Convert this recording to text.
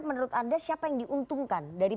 menurut anda siapa yang diuntungkan dari